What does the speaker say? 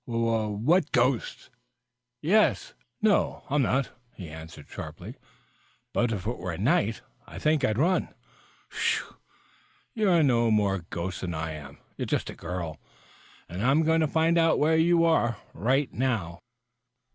"Wha what ghosts?" "Yes." "No, I'm not," he answered sharply. "But if it were night I think I'd run. Pshaw! you're no more ghost than I am. You're just a girl and I am going to find out where you are right now."